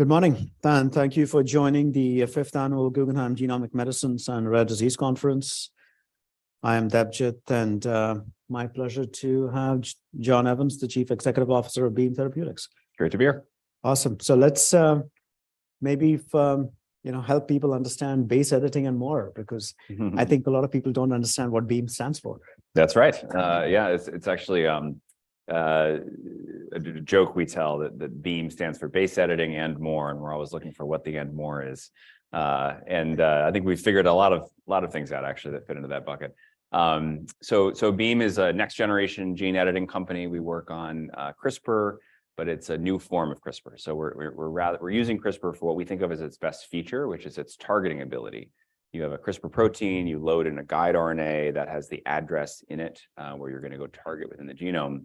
Good morning, thank you for joining the Fifth Annual Guggenheim Genomic Medicine and Rare Disease Conference. I am Debjit, my pleasure to have John Evans, the Chief Executive Officer of Beam Therapeutics. Great to be here. Awesome. Let's, maybe, you know, help people understand base editing and more because I think a lot of people don't understand what Beam stands for. That's right. Yeah, it's actually, a joke we tell that Beam stands for base editing and more, and we're always looking for what the and more is. I think we've figured a lot of things out actually that fit into that bucket. Beam is a next generation gene-editing company. We work on CRISPR, but it's a new form of CRISPR. We're using CRISPR for what we think of as its best feature, which is its targeting ability. You have a CRISPR protein, you load in a guide RNA that has the address in it, where you're gonna go target within the genome.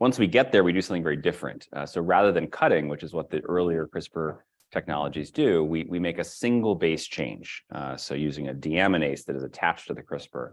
Once we get there, we do something very different. Rather than cutting, which is what the earlier CRISPR technologies do, we make a single base change. Using a deaminase that is attached to the CRISPR,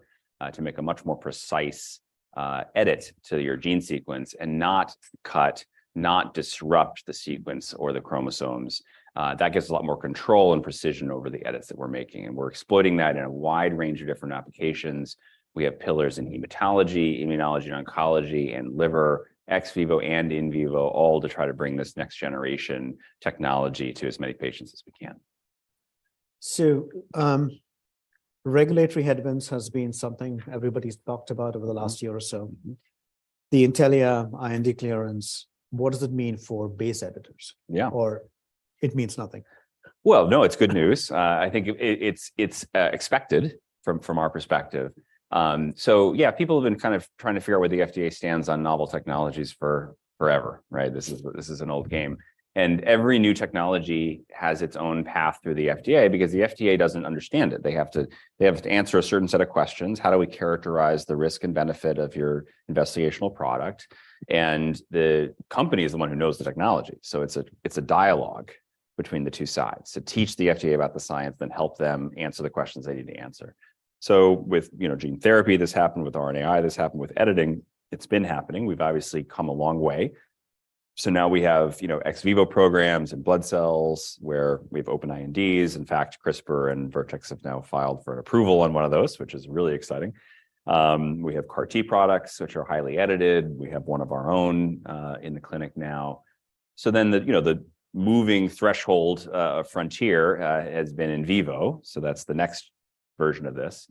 to make a much more precise edit to your gene sequence and not cut, not disrupt the sequence or the chromosomes. That gives a lot more control and precision over the edits that we're making, and we're exploiting that in a wide range of different applications. We have pillars in hematology, immunology, and oncology, and liver, ex vivo and in vivo, all to try to bring this next generation technology to as many patients as we can. Regulatory headwinds has been something everybody's talked about over the last year or so. The Intellia IND clearance, what does it mean for base editors? Yeah. Or it means nothing? Well, no, it's good news. I think it's expected from our perspective. Yeah, people have been kind of trying to figure out where the FDA stands on novel technologies for forever, right? This is an old game. Every new technology has its own path through the FDA because the FDA doesn't understand it. They have to answer a certain set of questions, "How do we characterize the risk and benefit of your investigational product?" The company is the one who knows the technology, so it's a dialogue between the two sides to teach the FDA about the science, then help them answer the questions they need to answer. With, you know, gene therapy, this happened with RNAi, this happened with editing. It's been happening. We've obviously come a long way, now we have, you know, ex vivo programs and blood cells where we have open INDs. In fact, CRISPR and Vertex have now filed for an approval on one of those, which is really exciting. We have CAR-T products which are highly edited. We have one of our own in the clinic now. The, you know, the moving threshold frontier has been in vivo, that's the next version of this.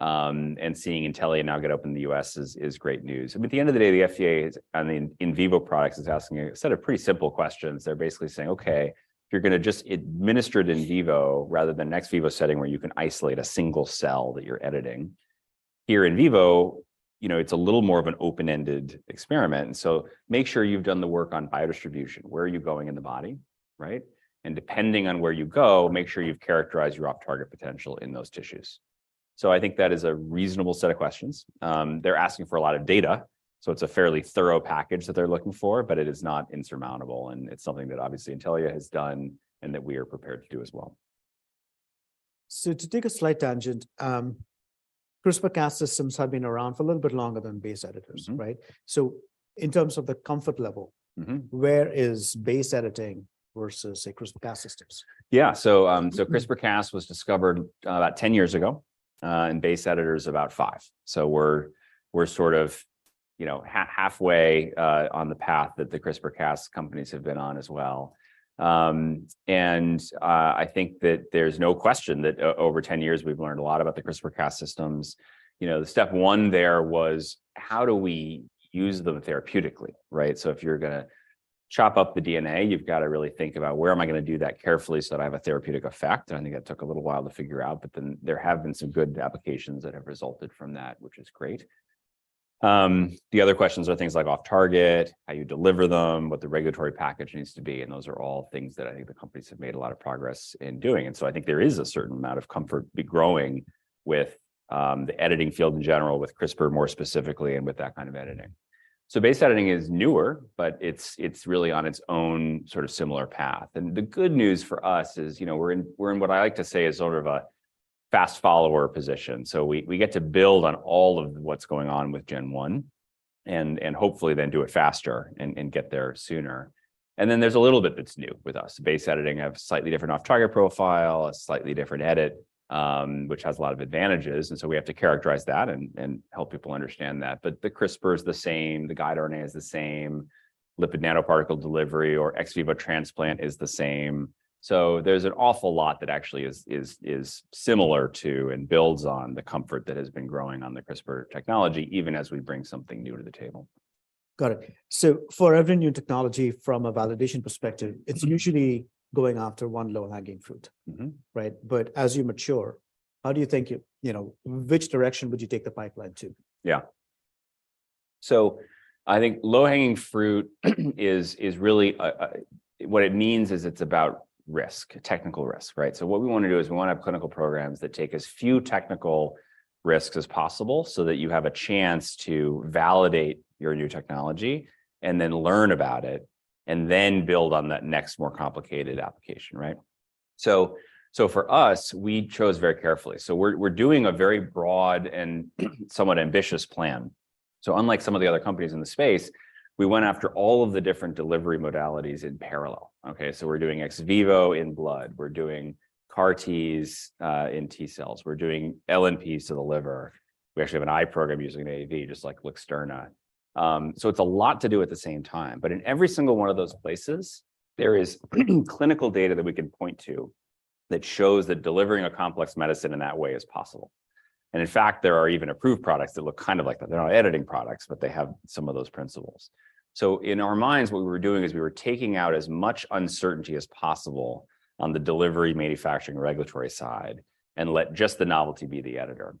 Seeing Intellia now get open in the U.S. is great news. At the end of the day, the FDA's, on the in vivo products, is asking a set of pretty simple questions. They're basically saying, "Okay, if you're gonna just administer it in vivo rather than ex vivo setting where you can isolate a single cell that you're editing, here in vivo, you know, it's a little more of an open-ended experiment, and so make sure you've done the work on biodistribution. Where are you going in the body, right? And depending on where you go, make sure you've characterized your off-target potential in those tissues." I think that is a reasonable set of questions. They're asking for a lot of data, so it's a fairly thorough package that they're looking for, but it is not insurmountable, and it's something that obviously Intellia has done and that we are prepared to do as well. To take a slight tangent, CRISPR-Cas systems have been around for a little bit longer than base editors, right? In terms of the comfort level, where is base editing versus, say, CRISPR-Cas systems? Yeah. CRISPR-Cas was discovered about 10 years ago, and base editors about five. We're sort of, you know, halfway on the path that the CRISPR-Cas companies have been on as well. I think that there's no question that over 10 years we've learned a lot about the CRISPR-Cas systems. You know, the step one there was, how do we use them therapeutically, right? If you're gonna chop up the DNA, you've gotta really think about where am I gonna do that carefully so that I have a therapeutic effect, and I think that took a little while to figure out. There have been some good applications that have resulted from that, which is great. The other questions are things like off-target, how you deliver them, what the regulatory package needs to be, and those are all things that I think the companies have made a lot of progress in doing. I think there is a certain amount of comfort growing with the editing field in general, with CRISPR more specifically and with that kind of editing. Base editing is newer, but it's really on its own sort of similar path. The good news for us is, you know, we're in what I like to say is sort of a fast follower position. We get to build on all of what's going on with gen one and hopefully then do it faster and get there sooner. Then there's a little bit that's new with us. Base editing have slightly different off-target profile, a slightly different edit, which has a lot of advantages, and so we have to characterize that and help people understand that. The CRISPR is the same, the guide RNA is the same. Lipid nanoparticle delivery or ex vivo transplant is the same. There's an awful lot that actually is similar to and builds on the comfort that has been growing on the CRISPR technology, even as we bring something new to the table. Got it. For every new technology from a validation perspective. It's usually going after one low-hanging fruit, right? As you mature, how do you think, you know, which direction would you take the pipeline to? I think low-hanging fruit is really what it means is it's about risk, technical risk, right? What we wanna do is we wanna have clinical programs that take as few technical risks as possible, so that you have a chance to validate your new technology and then learn about it, and then build on that next more complicated application, right? For us, we chose very carefully. We're doing a very broad and somewhat ambitious plan. Unlike some of the other companies in the space, we went after all of the different delivery modalities in parallel. We're doing ex vivo in blood. We're doing CAR-Ts in T cells. We're doing LNPs to the liver. We actually have an eye program using AAV, just like LUXTURNA. It's a lot to do at the same time, but in every single one of those places, there is clinical data that we can point to that shows that delivering a complex medicine in that way is possible. In fact, there are even approved products that look kind of like that. They're not editing products, but they have some of those principles. In our minds, what we were doing is we were taking out as much uncertainty as possible on the delivery, manufacturing, regulatory side, and let just the novelty be the editor.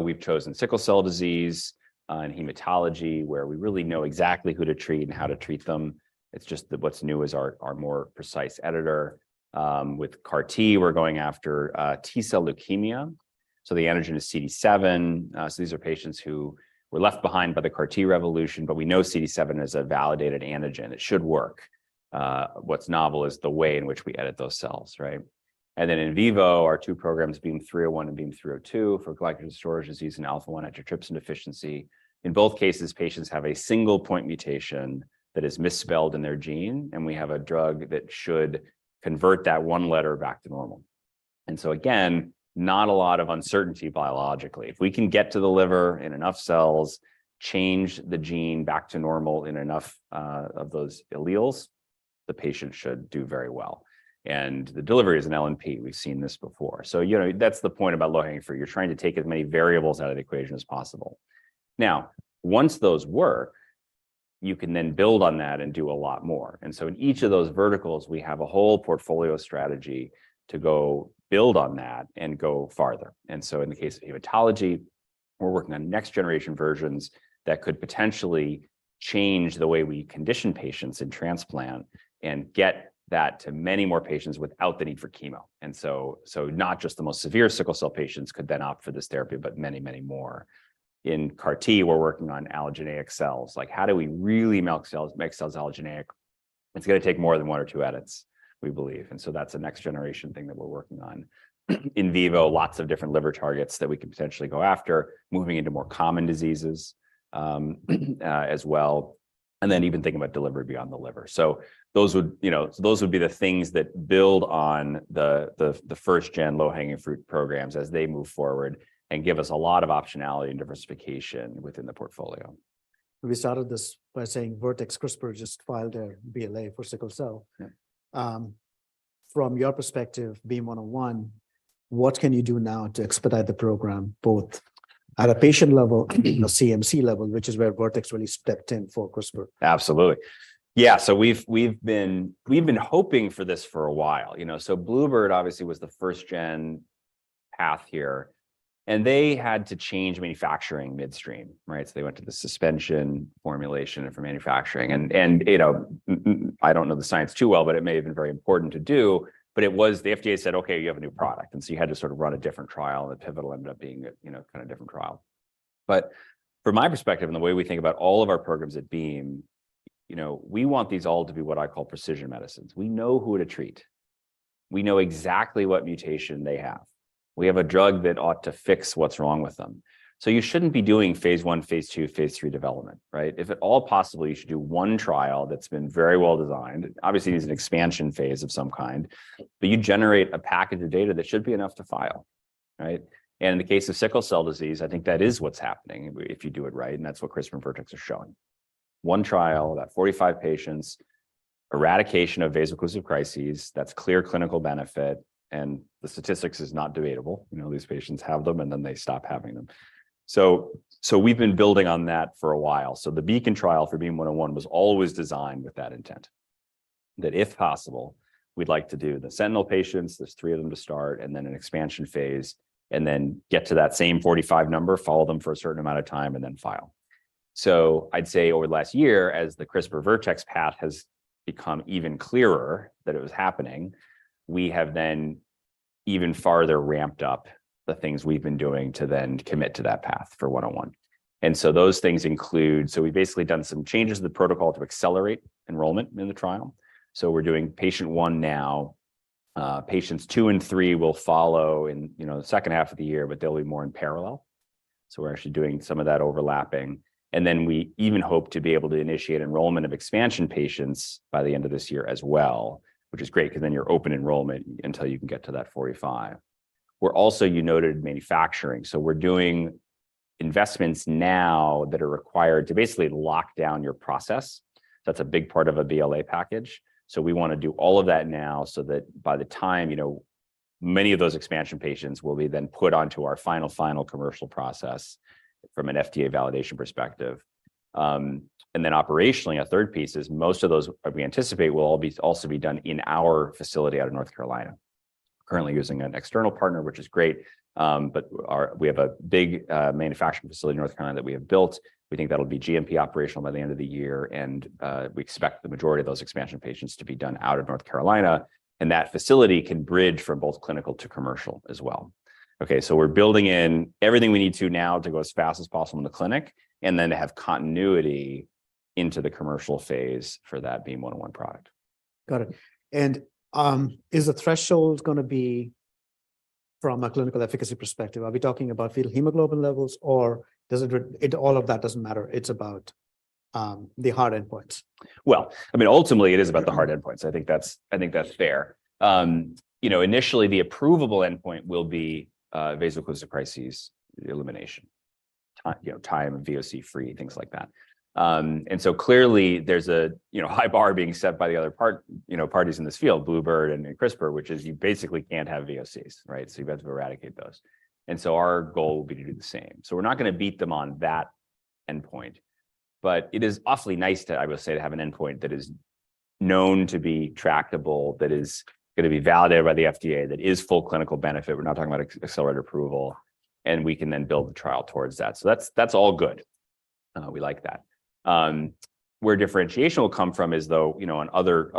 We've chosen sickle cell disease in hematology, where we really know exactly who to treat and how to treat them. It's just that what's new is our more precise editor. With CAR-T, we're going after T-cell leukemia, so the antigen is CD7. These are patients who were left behind by the CAR-T revolution, but we know CD7 is a validated antigen. It should work. What's novel is the way in which we edit those cells, right? In vivo, our two programs, BEAM-301 and BEAM-302, for glycogen storage disease and alpha-1 antitrypsin deficiency. In both cases, patients have a single point mutation that is misspelled in their gene, and we have a drug that should convert that one letter back to normal. Again, not a lot of uncertainty biologically. If we can get to the liver in enough cells, change the gene back to normal in enough of those alleles, the patient should do very well. The delivery is an LNP. We've seen this before. You know, that's the point about low-hanging fruit. You're trying to take as many variables out of the equation as possible. Now, once those work, you can then build on that and do a lot more. In each of those verticals, we have a whole portfolio strategy to go build on that and go farther. In the case of hematology, we're working on next generation versions that could potentially change the way we condition patients in transplant and get that to many more patients without the need for chemo. Not just the most severe sickle cell patients could then opt for this therapy, but many, many more. In CAR-T, we're working on allogeneic cells. Like, how do we really make cells allogeneic? It's gonna take more than one or two edits, we believe. That's the next generation thing that we're working on. In vivo, lots of different liver targets that we could potentially go after, moving into more common diseases, as well, and then even thinking about delivery beyond the liver. Those would, you know, be the things that build on the first gen low-hanging fruit programs as they move forward and give us a lot of optionality and diversification within the portfolio. We started this by saying Vertex CRISPR just filed a BLA for sickle cell. Yeah. From your perspective, BEAM-101, what can you do now to expedite the program, both at a patient level and a CMC level, which is where Vertex really stepped in for CRISPR? Absolutely. Yeah. We've been hoping for this for a while, you know. Bluebird obviously was the first-gen path here, and they had to change manufacturing midstream, right? They went to the suspension formulation for manufacturing and, you know, I don't know the science too well, but it may have been very important to do. It was, the FDA said, "Okay, you have a new product," you had to sort of run a different trial, and the pivotal ended up being a, you know, kinda different trial. From my perspective and the way we think about all of our programs at Beam, you know, we want these all to be what I call precision medicines. We know who to treat. We know exactly what mutation they have. We have a drug that ought to fix what's wrong with them. You shouldn't be doing phase I, phase II, phase III development, right? If at all possible, you should do one trial that's been very well designed. Obviously, there's an expansion phase of some kind. You generate a package of data that should be enough to file, right? In the case of sickle cell disease, I think that is what's happening if you do it right, and that's what CRISPR and Vertex are showing. One trial, about 45 patients, eradication of vaso-occlusive crises, that's clear clinical benefit, and the statistics is not debatable. You know, these patients have them, and then they stop having them. We've been building on that for a while. The BEACON trial for BEAM-101 was always designed with that intent, that if possible, we'd like to do the sentinel patients, there's three of them to start, and then an expansion phase, and then get to that same 45 number, follow them for a certain amount of time, and then file. I'd say over the last year, as the CRISPR-Vertex path has become even clearer that it was happening, we have then even farther ramped up the things we've been doing to then commit to that path for BEAM-101. Those things include, we've basically done some changes to the protocol to accelerate enrollment in the trial. We're doing patient 1one now. Patients two and three will follow in, you know, the second half of the year, but they'll be more in parallel. We're actually doing some of that overlapping, then we even hope to be able to initiate enrollment of expansion patients by the end of this year as well, which is great 'cause then you're open enrollment until you can get to that 45. We're also, you noted, manufacturing. We're doing investments now that are required to basically lock down your process. That's a big part of a BLA package. We wanna do all of that now so that by the time, you know, many of those expansion patients will be then put onto our final commercial process from an FDA validation perspective. Operationally, a third piece is most of those, we anticipate, will also be done in our facility out of North Carolina. Currently using an external partner, which is great, but we have a big manufacturing facility in North Carolina that we have built. We think that'll be GMP operational by the end of the year, and we expect the majority of those expansion patients to be done out of North Carolina, and that facility can bridge from both clinical to commercial as well. We're building in everything we need to now to go as fast as possible in the clinic, and then to have continuity into the commercial phase for that BEAM-101 product. Got it. Is the threshold gonna be from a clinical efficacy perspective? Are we talking about fetal hemoglobin levels, or does it all of that doesn't matter, it's about the hard endpoints? Well, I mean, ultimately, it is about the hard endpoints. I think that's, I think that's fair. you know, initially, the approvable endpoint will be, vaso-occlusive crises elimination. you know, time and VOC free, things like that. clearly, there's a, you know, high bar being set by the other, you know, parties in this field, bluebird bio and CRISPR, which is you basically can't have VOCs, right? You have to eradicate those. Our goal will be to do the same. We're not gonna beat them on that endpoint. It is awfully nice to, I would say, to have an endpoint that is known to be tractable, that is gonna be validated by the FDA, that is full clinical benefit. We're not talking about accelerated approval, and we can then build the trial towards that. That's all good. We like that. Where differentiation will come from is, though, you know, on other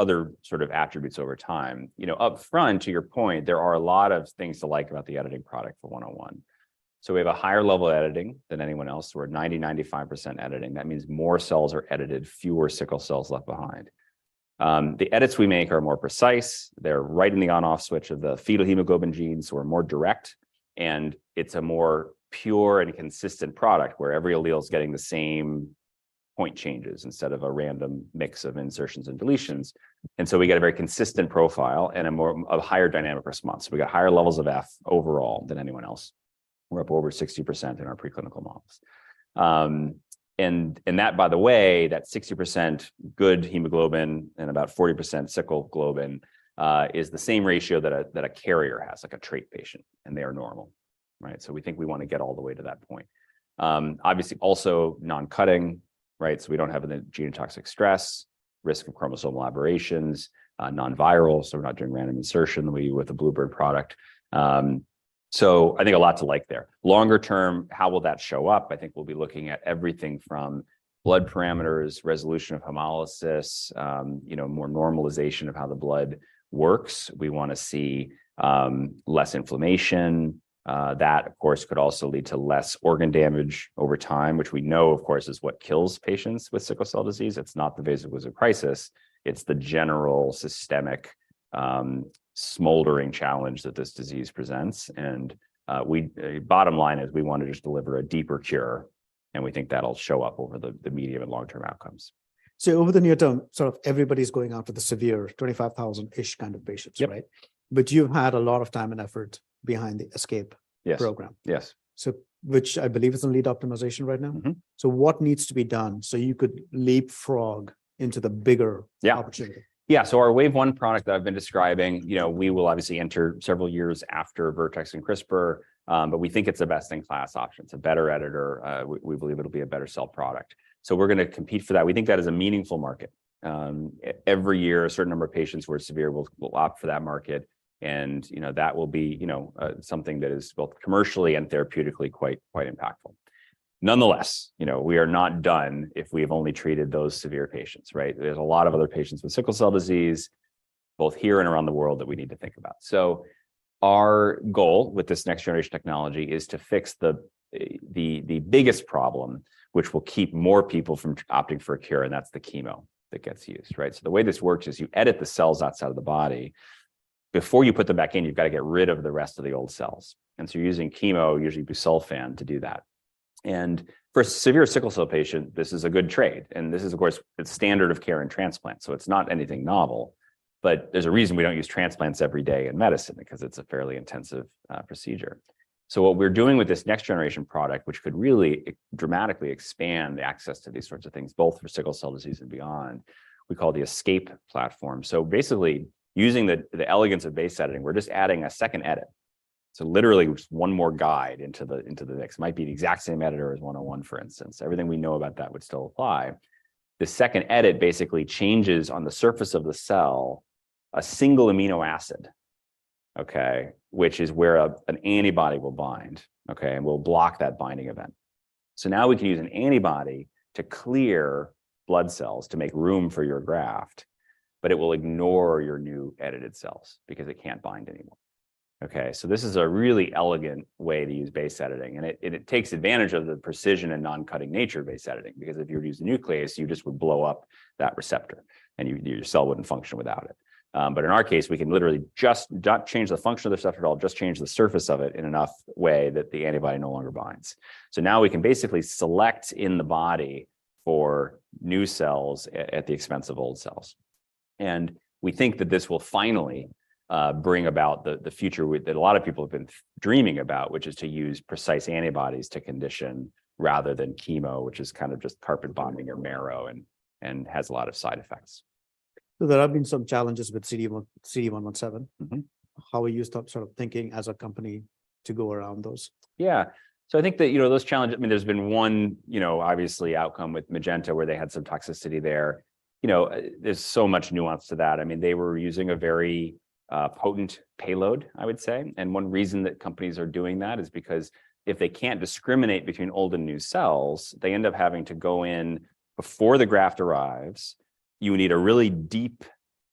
sort of attributes over time. You know, up front, to your point, there are a lot of things to like about the editing product for BEAM-101. We have a higher level of editing than anyone else. We're at 90%, 95% editing. That means more cells are edited, fewer sickle cells left behind. The edits we make are more precise. They're right in the on/off switch of the fetal hemoglobin genes, so we're more direct, and it's a more pure and consistent product, where every allele's getting the same point changes instead of a random mix of insertions and deletions. We get a very consistent profile and a higher dynamic response. We got higher levels of F overall than anyone else. We're up over 60% in our preclinical models. That, by the way, that 60% good hemoglobin and about 40% sickle globin is the same ratio that a carrier has, like a trait patient, and they are normal, right? We think we wanna get all the way to that point. Obviously, also non-cutting, right? We don't have any genotoxic stress, risk of chromosomal aberrations, non-viral, so we're not doing random insertion. with the bluebird bio product, I think a lot to like there. Longer term, how will that show up? I think we'll be looking at everything from blood parameters, resolution of hemolysis, you know, more normalization of how the blood works. We wanna see less inflammation. That, of course, could also lead to less organ damage over time, which we know, of course, is what kills patients with sickle cell disease. It's not the vaso-occlusive crisis, it's the general systemic, smoldering challenge that this disease presents. Bottom line is we wanna just deliver a deeper cure, and we think that'll show up over the medium and long-term outcomes. Over the near term, sort of everybody's going after the severe 25,000-ish kind of patients, right? Yep. You've had a lot of time and effort behind the ESCAPE program. Yes. Yes. Which I believe is in lead optimization right now. What needs to be done so you could leapfrog into the bigger opportunity? Yeah. Our wave one product that I've been describing, you know, we will obviously enter several years after Vertex and CRISPR, but we think it's a best-in-class option. It's a better editor. We believe it'll be a better cell product. We're gonna compete for that. We think that is a meaningful market. Every year, a certain number of patients who are severe will opt for that market, and, you know, that will be, you know, something that is both commercially and therapeutically quite impactful. Nonetheless, you know, we are not done if we have only treated those severe patients, right? There's a lot of other patients with sickle cell disease, both here and around the world, that we need to think about. Our goal with this next-generation technology is to fix the biggest problem, which will keep more people from opting for a cure, and that's the chemo that gets used, right? The way this works is you edit the cells outside of the body. Before you put them back in, you've got to get rid of the rest of the old cells. You're using chemo, usually busulfan, to do that. For a severe sickle cell patient, this is a good trade. This is, of course, it's standard of care in transplant, so it's not anything novel. There's a reason we don't use transplants every day in medicine, because it's a fairly intensive procedure. What we're doing with this next-generation product, which could really dramatically expand the access to these sorts of things, both for sickle cell disease and beyond, we call the ESCAPE platform. Basically, using the elegance of base editing, we're just adding a second edit. Literally just one more guide into the mix. Might be the exact same editor as 101, for instance. Everything we know about that would still apply. The second edit basically changes on the surface of the cell a single amino acid, okay, which is where an antibody will bind, okay, and will block that binding event. Now we can use an antibody to clear blood cells to make room for your graft, but it will ignore your new edited cells because it can't bind anymore. Okay? This is a really elegant way to use base editing, and it takes advantage of the precision and non-cutting nature of base editing, because if you were to use a nuclease, you just would blow up that receptor, and your cell wouldn't function without it. In our case, we can literally just not change the function of the receptor at all, just change the surface of it in enough way that the antibody no longer binds. Now we can basically select in the body for new cells at the expense of old cells. We think that this will finally bring about the future that a lot of people have been dreaming about, which is to use precise antibodies to condition rather than chemo, which is kind of just carpet bombing your marrow and has a lot of side effects. there have been some challenges with CD117. How are you sort of thinking as a company to go around those? Yeah. I think that, you know, those challenges, I mean, there's been one, you know, obviously outcome with Magenta, where they had some toxicity there. You know, there's so much nuance to that. I mean, they were using a very potent payload, I would say. One reason that companies are doing that is because if they can't discriminate between old and new cells, they end up having to go in before the graft arrives. You need a really deep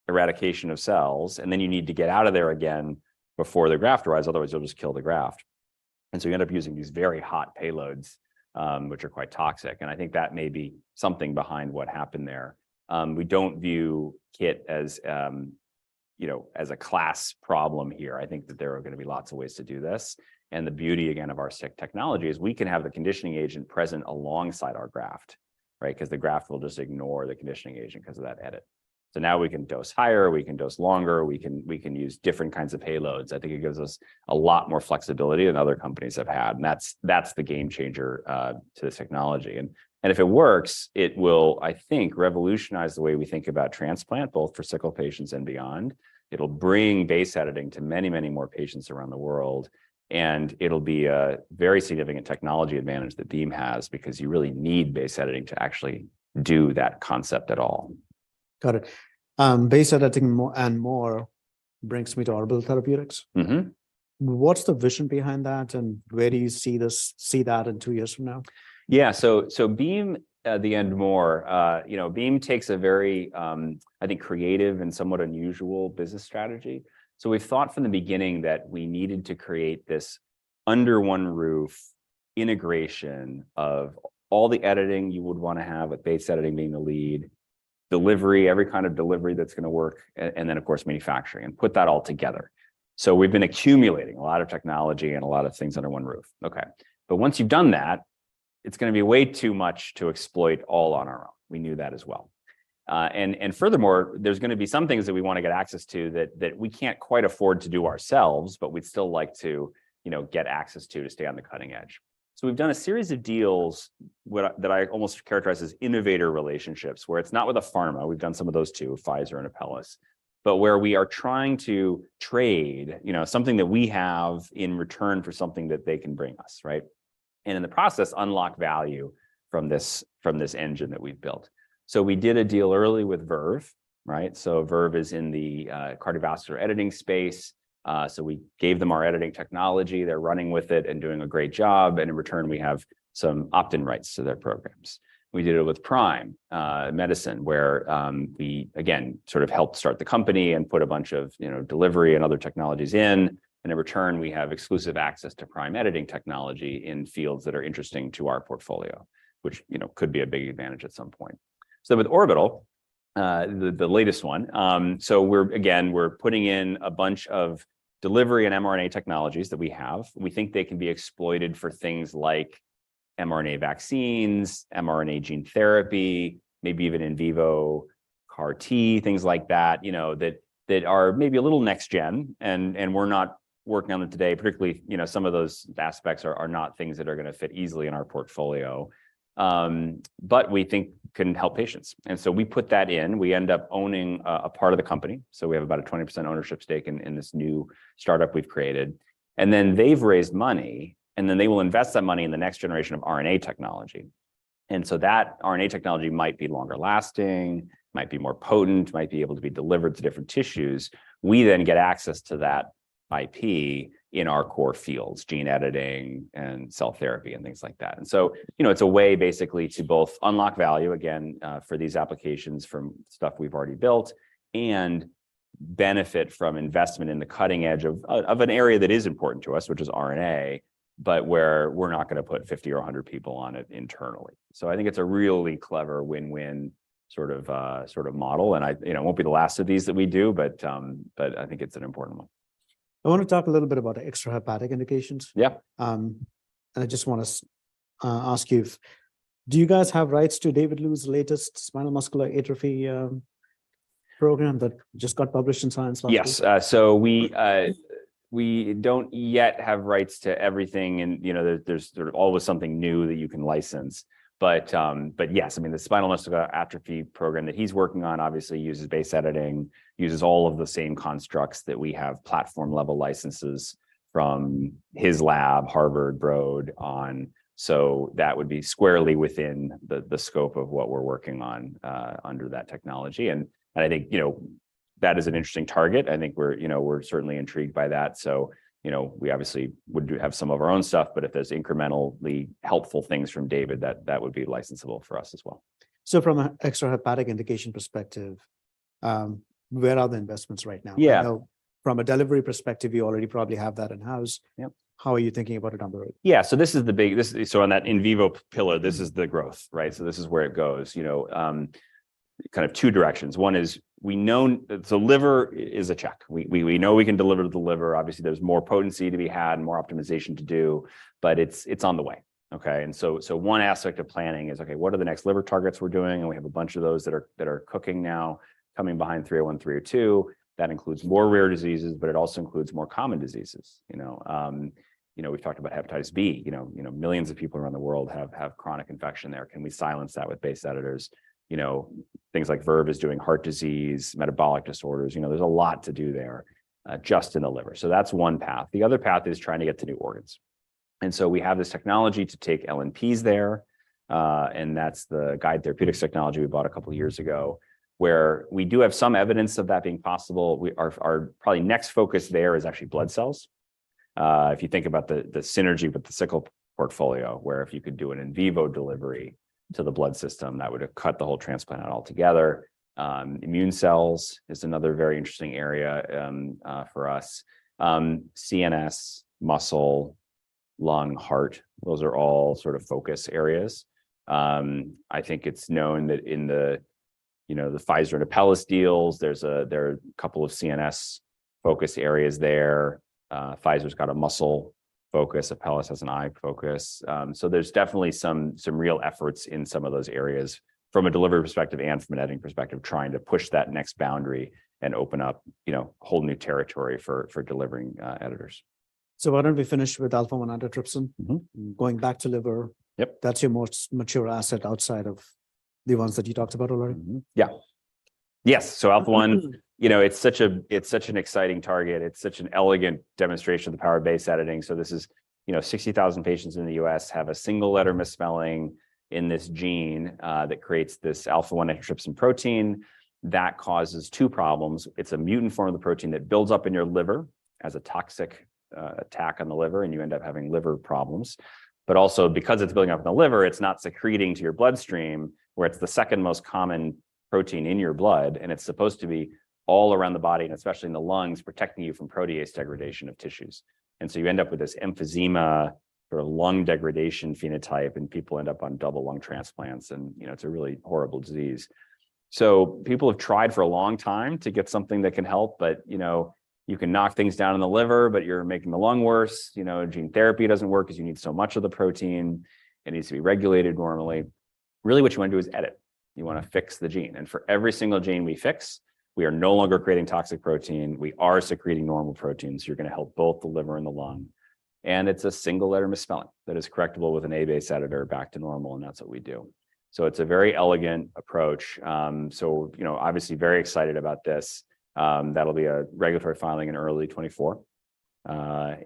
eradication of cells, and then you need to get out of there again before the graft arrives, otherwise you'll just kill the graft. You end up using these very hot payloads, which are quite toxic, and I think that may be something behind what happened there. We don't view KIT as, you know, as a class problem here. I think that there are gonna be lots of ways to do this, and the beauty, again, of our KIT technology is we can have the conditioning agent present alongside our graft, right? 'Cause the graft will just ignore the conditioning agent 'cause of that edit. Now we can dose higher, we can dose longer, we can use different kinds of payloads. I think it gives us a lot more flexibility than other companies have had, and that's the game changer to this technology. If it works, it will, I think, revolutionize the way we think about transplant both for sickle patients and beyond. It'll bring base editing to many, many more patients around the world, and it'll be a very significant technology advantage that Beam has because you really need base editing to actually do that concept at all. Got it. base editing more and more brings me to Orbital Therapeutics. What's the vision behind that, and where do you see that in two years from now? Yeah. Beam at the end more, you know, Beam takes a very, I think, creative and somewhat unusual business strategy. We've thought from the beginning that we needed to create this under-one-roof integration of all the editing you would wanna have, with base editing being the lead, delivery, every kind of delivery that's gonna work, and then of course, manufacturing, and put that all together. We've been accumulating a lot of technology and a lot of things under one roof. Okay. Once you've done that, it's gonna be way too much to exploit all on our own. We knew that as well. Furthermore, there's gonna be some things that we wanna get access to that we can't quite afford to do ourselves, but we'd still like to, you know, get access to stay on the cutting edge. We've done a series of deals that I almost characterize as innovator relationships, where it's not with a pharma. We've done some of those too, Pfizer and Apellis. Where we are trying to trade, you know, something that we have in return for something that they can bring us, right? In the process, unlock value from this, from this engine that we've built. We did a deal early with Verve, right? Verve is in the cardiovascular editing space. We gave them our editing technology. They're running with it and doing a great job, and in return, we have some opt-in rights to their programs. We did it with Prime Medicine, where we again sort of helped start the company and put a bunch of, you know, delivery and other technologies in, and in return, we have exclusive access to prime editing technology in fields that are interesting to our portfolio, which, you know, could be a big advantage at some point. With Orbital, the latest one, so we're again, we're putting in a bunch of delivery and mRNA technologies that we have. We think they can be exploited for things like mRNA vaccines, mRNA gene therapy, maybe even in vivo CAR-T, things like that, you know, that are maybe a little next gen and we're not working on them today, particularly, you know, some of those aspects are not things that are gonna fit easily in our portfolio, but we think can help patients. We put that in, we end up owning a part of the company, so we have about a 20% ownership stake in this new startup we've created. They've raised money, and then they will invest that money in the next generation of RNA technology. That RNA technology might be longer lasting, might be more potent, might be able to be delivered to different tissues. We get access to that IP in our core fields, gene editing and cell therapy and things like that. You know, it's a way basically to both unlock value again for these applications from stuff we've already built and benefit from investment in the cutting edge of an area that is important to us, which is RNA, but where we're not gonna put 50 or 100 people on it internally. I think it's a really clever win-win sort of sort of model, and I, you know, it won't be the last of these that we do, but I think it's an important one. I wanna talk a little bit about extrahepatic indications. Yeah. I just wanna ask you, do you guys have rights to David Liu's latest spinal muscular atrophy program that just got published in Science last week? Yes. We don't yet have rights to everything and, you know, there's sort of always something new that you can license. Yes, I mean, the spinal muscular atrophy program that he's working on obviously uses base editing, uses all of the same constructs that we have platform-level licenses from his lab, Harvard Broad, on. That would be squarely within the scope of what we're working on under that technology. I think, you know, that is an interesting target. I think we're, you know, we're certainly intrigued by that so, you know, we obviously have some of our own stuff, but if there's incrementally helpful things from David, that would be licensable for us as well. From a extrahepatic indication perspective, where are the investments right now? Yeah. I know from a delivery perspective, you already probably have that in-house. Yeah. How are you thinking about it down the road? Yeah. This, on that in vivo pillar, this is the growth, right? This is where it goes, you know, kind of two directions. One is we know liver is a check. We know we can deliver to the liver. Obviously, there's more potency to be had and more optimization to do, but it's on the way, okay? One aspect of planning is, okay, what are the next liver targets we're doing? We have a bunch of those that are, that are cooking now, coming behind 301, 302. That includes more rare diseases, but it also includes more common diseases, you know? You know, we've talked about hepatitis B. Millions of people around the world have chronic infection there. Can we silence that with base editors? You know, things like Verve is doing heart disease, metabolic disorders. You know, there's a lot to do there, just in the liver. That's one path. The other path is trying to get to new organs. We have this technology to take LNPs there, and that's the Guide Therapeutics technology we bought a couple years ago, where we do have some evidence of that being possible. Our probably next focus there is actually blood cells. If you think about the synergy with the sickle portfolio, where if you could do an in vivo delivery to the blood system, that would cut the whole transplant out altogether. Immune cells is another very interesting area for us. CNS, muscle, lung, heart, those are all sort of focus areas. I think it's known that in the, you know, the Pfizer and Apellis deals, there are a couple of CNS focus areas there. Pfizer's got a muscle focus. Apellis has an eye focus. So there's definitely some real efforts in some of those areas from a delivery perspective and from an editing perspective, trying to push that next boundary and open up, you know, whole new territory for delivering editors. Why don't we finish with alpha-1 antitrypsin. Mm-hmm. Going back to liver- Yep. That's your most mature asset outside of the ones that you talked about already. Yeah. Yes. Alpha-1, you know, it's such a, it's such an exciting target. It's such an elegant demonstration of the power-based editing. This is, you know, 60,000 patients in the U.S. have a single letter misspelling in this gene that creates this alpha-1 antitrypsin protein that causes two problems. It's a mutant form of the protein that builds up in your liver as a toxic attack on the liver. You end up having liver problems. Also because it's building up in the liver, it's not secreting to your bloodstream, where it's the second most common protein in your blood. It's supposed to be all around the body, and especially in the lungs, protecting you from protease degradation of tissues. You end up with this emphysema or lung degradation phenotype, and people end up on double lung transplants, and, you know, it's a really horrible disease. You know, people have tried for a long time to get something that can help. You know, you can knock things down in the liver, but you're making the lung worse. You know, gene therapy doesn't work 'cause you need so much of the protein. It needs to be regulated normally. Really, what you want to do is edit. You want to fix the gene. For every single gene we fix, we are no longer creating toxic protein. We are secreting normal protein, so you're going to help both the liver and the lung. It's a single letter misspelling that is correctable with an A-base editor back to normal, and that's what we do. It's a very elegant approach. You know, obviously very excited about this. That'll be a regulatory filing in early 2024.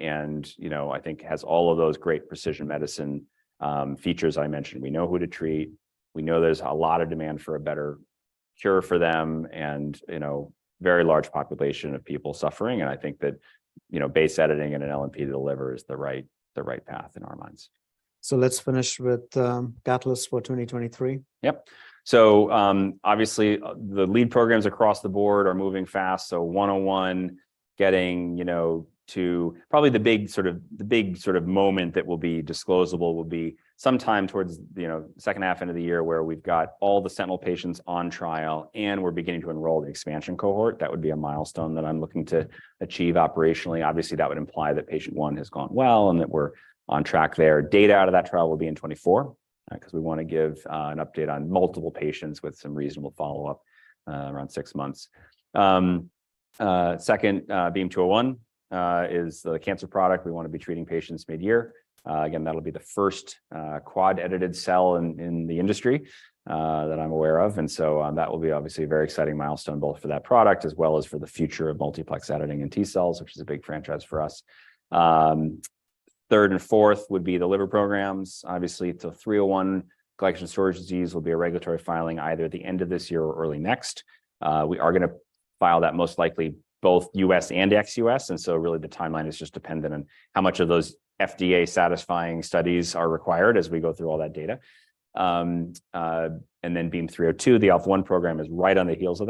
You know, I think has all of those great precision medicine features I mentioned. We know who to treat. We know there's a lot of demand for a better cure for them and, you know, very large population of people suffering, and I think that, you know, base editing in an LNP deliver is the right path in our minds. Let's finish with, catalyst for 2023. Yep. Obviously the lead programs across the board are moving fast. BEAM-101 getting, you know, to probably the big sort of moment that will be disclosable will be sometime towards, you know, second half into the year where we've got all the sentinel patients on trial and we're beginning to enroll the expansion cohort. That would be a milestone that I'm looking to achieve operationally. Obviously, that would imply that patient one has gone well and that we're on track there. Data out of that trial will be in 2024, 'cause we wanna give an update on multiple patients with some reasonable follow-up around six months. Second, BEAM-201 is the cancer product. We wanna be treating patients mid-year. Again, that'll be the first quad edited cell in the industry that I'm aware of. That will be obviously a very exciting milestone both for that product as well as for the future of multiplex editing and T-cells, which is a big franchise for us. Third and fourth would be the liver programs. Obviously, the 301 glycogen storage disease will be a regulatory filing either at the end of this year or early next. We are gonna file that most likely both U.S. and ex-U.S., really the timeline is just dependent on how much of those FDA satisfying studies are required as we go through all that data. BEAM-302, the alpha-1 program is right on the heels of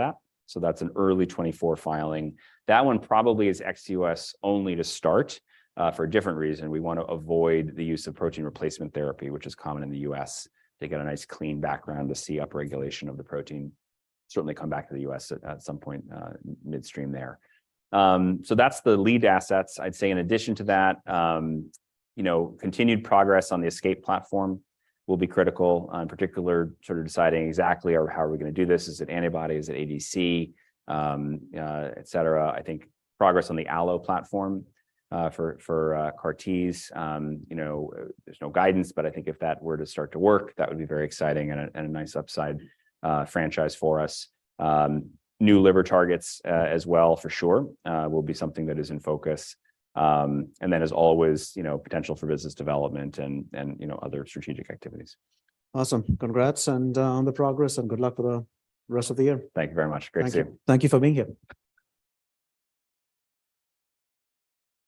that's an early 2024 filing. That one probably is ex-U.S. only to start, for a different reason. We wanna avoid the use of protein replacement therapy, which is common in the U.S. They get a nice clean background to see upregulation of the protein. Certainly come back to the U.S. at some point, midstream there. That's the lead assets. I'd say in addition to that, you know, continued progress on the ESCAPE platform will be critical, in particular sort of deciding exactly how are we gonna do this. Is it antibody? Is it ADC? et cetera. I think progress on the allo platform, for CAR-Ts, you know, there's no guidance, but I think if that were to start to work, that would be very exciting and a, and a nice upside, franchise for us. New liver targets, as well for sure, will be something that is in focus. As always, you know, potential for business development and, you know, other strategic activities. Awesome. Congrats and on the progress, and good luck for the rest of the year. Thank you very much. Great to see you. Thank you. Thank you for being here.